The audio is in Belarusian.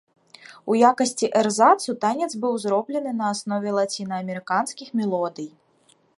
У якасці эрзацу танец быў зроблены на аснове лацінаамерыканскіх мелодый.